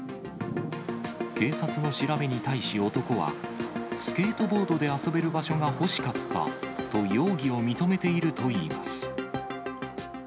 警察の調べに対し男は、スケートボードで遊べる場所が欲しかったと、容疑を認めているといいます。